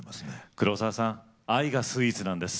黒沢さん愛がスイーツなんです。